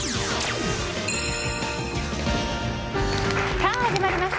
さあ始まりました。